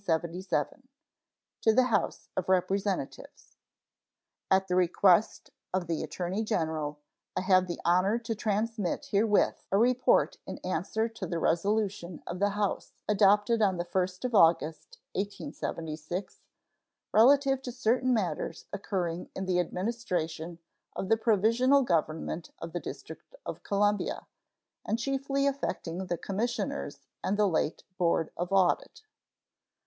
To the House of Representatives: At the request of the Attorney General, I have the honor to transmit herewith a report in answer to the resolution of the House adopted on the 1st of August, 1876, relative to certain matters occurring in the administration of the provisional government of the District of Columbia, and chiefly affecting the Commissioners and the late board of audit.